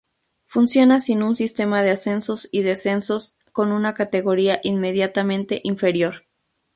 Funciona sin un sistema de ascensos y descensos con una categoría inmediatamente inferior.